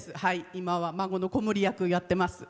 今は孫の子守役やってます。